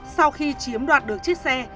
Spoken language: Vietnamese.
sau khi chiếm đoạt được chiếc xe